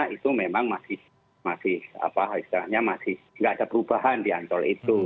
itu memang masih apa istilahnya masih tidak ada perubahan di ancol itu